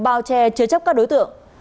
bao che chứa chấp các đối tượng